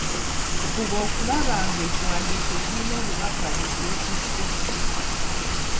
Fuba okulaba nga ekiwandiiko kirina obubaka bwe kyetisse.